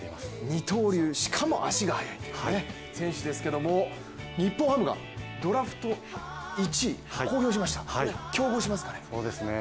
二刀流、しかも足が速い選手ですけど日本ハムがドラフト１位公表しました、競合しますかね？